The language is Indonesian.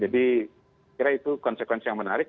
jadi kira kira itu konsekuensi yang menarik